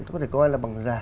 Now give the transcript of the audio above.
có thể coi là bằng giả